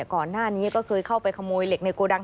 ก่อนหน้านี้ก็เคยเข้าไปขโมยเหล็กในโกดัง